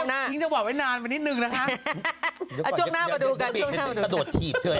บ๊ายบายบ๊ายบาย